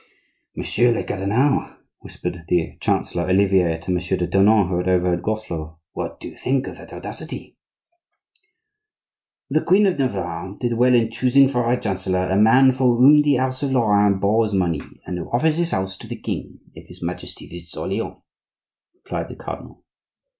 "Monsieur le cardinal," whispered the Chancellor Olivier to Monsieur de Tournon, who had overheard Groslot, "what do you think of that audacity?" "The Queen of Navarre did well in choosing for her chancellor a man from whom the house of Lorraine borrows money, and who offers his house to the king, if his Majesty visits Orleans," replied the cardinal.